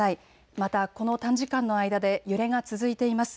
またこの短時間の間で揺れが続いています。